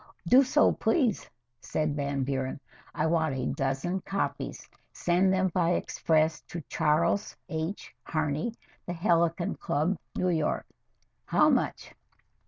"Do so, please," said Van Buren. "I want a dozen copies send them by express to Charles H. Harney, The Helicon Club, New York. How much?"